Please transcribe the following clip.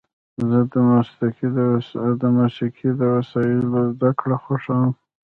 زه د موسیقۍ د وسایلو زدهکړه خوښوم.